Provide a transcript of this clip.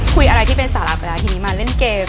คุยอะไรที่เป็นสาระไปแล้วทีนี้มาเล่นเกม